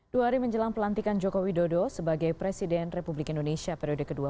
dua hari menjelang pelantikan joko widodo sebagai presiden republik indonesia periode kedua